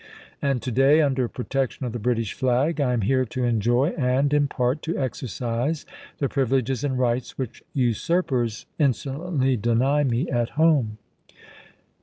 And to day, under pro tection of the British flag, I am here to enjoy and, in part, to exercise the privileges and rights which usurpers inso lently deny me at home.